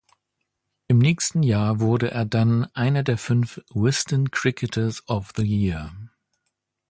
Im nächsten Jahr wurde er dann einer der fünf Wisden Cricketers of the Year.